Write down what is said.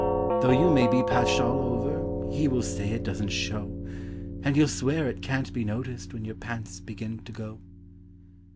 Though you may be patched all over he will say it doesn't show, And he'll swear it can't be noticed when your pants begin to go.